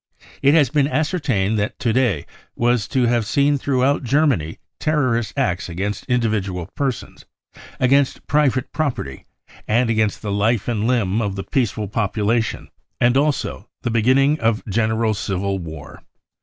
It has been ascertained that to day was to have seen through out Germany terrorist acts against individual persons, against private property and against the life and limb of the peaceful population, and also the beginning of general civil war."